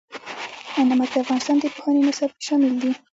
نمک د افغانستان د پوهنې نصاب کې شامل دي.